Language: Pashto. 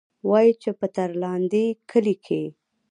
وايي چې پۀ ترلاندۍ کلي کښې